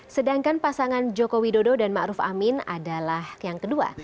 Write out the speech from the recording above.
sedangkan pasangan joko widodo dan ma'ruf amin adalah yang kedua